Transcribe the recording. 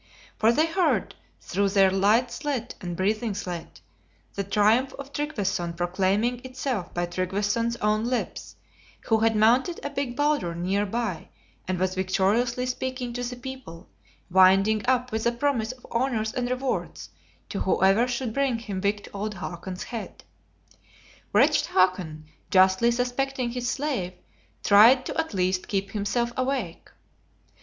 For they heard, through their light slit and breathing slit, the triumph of Tryggveson proclaiming itself by Tryggveson's own lips, who had mounted a big boulder near by and was victoriously speaking to the people, winding up with a promise of honors and rewards to whoever should bring him wicked old Hakon's head. Wretched Hakon, justly suspecting his slave, tried to at least keep himself awake.